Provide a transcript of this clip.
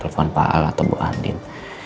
telfon pak alan atau bu anin